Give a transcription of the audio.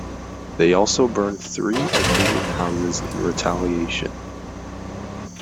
They also burned three Acadian houses in retaliation.